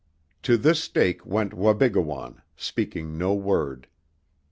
To this stake went Wabigoon, speaking no word.